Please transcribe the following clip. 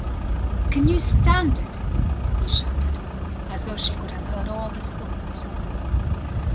... Can you stand it? he shouted, as though she could have heard all his thoughts.